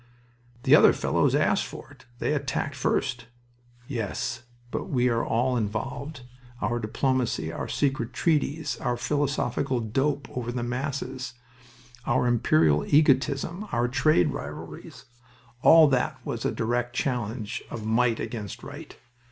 "The other fellows asked for it. They attacked first." "Yes, but we are all involved. Our diplomacy, our secret treaties, our philosophical dope over the masses, our imperial egotism, our trade rivalries all that was a direct challenge of Might against Right.